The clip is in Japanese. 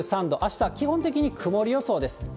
２３度、あした、基本的に曇り予想です。